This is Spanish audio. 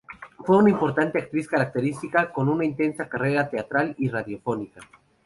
Fue una importante actriz característica, con una intensa carrera teatral y radiofónica.